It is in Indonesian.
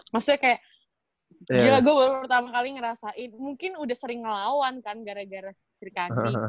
maksudnya kayak gimana gue baru pertama kali ngerasain mungkin udah sering ngelawan kan gara gara tri kaki